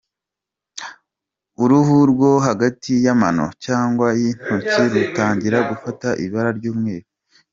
Uruhu rwo hagati y’amano cyangwa y’intoki rutangira gufata ibara ry’umweru.